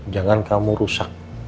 jangan kamu rusak